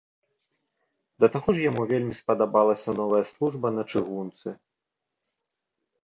Да таго ж яму вельмі спадабалася новая служба на чыгунцы.